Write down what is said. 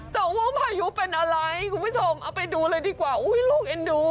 แต่ว่าพายุเป็นอะไรคุณผู้ชมเอาไปดูเลยดีกว่าอุ้ยลูกเอ็นดู